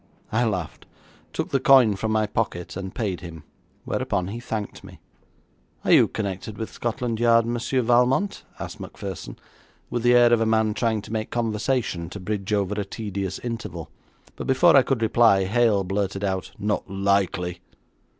I laughed, took the coin from my pocket, and paid him, whereupon he thanked me. 'Are you connected with Scotland Yard, Monsieur Valmont?' asked Macpherson, with the air of a man trying to make conversation to bridge over a tedious interval; but before I could reply, Hale blurted out, 'Not likely!'